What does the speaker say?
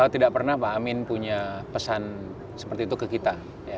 tidak pernah pak amin punya pesan seperti itu ke kita